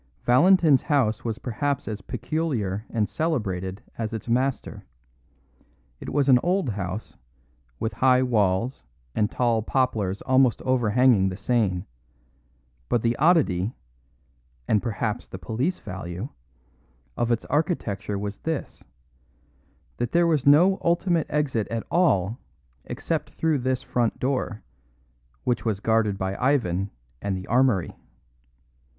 Valentin's house was perhaps as peculiar and celebrated as its master. It was an old house, with high walls and tall poplars almost overhanging the Seine; but the oddity and perhaps the police value of its architecture was this: that there was no ultimate exit at all except through this front door, which was guarded by Ivan and the armoury.